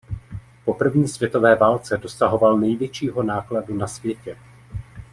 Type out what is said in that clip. Po první světové válce dosahoval největšího nákladu na světě.